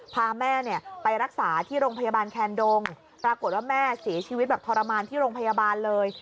พาแม่ไปรักษาที่โรงพยาบาลแคนดงปรากฏว่าแม่เสียชีวิตแบบทรมานที่โรงพยาบาลเลย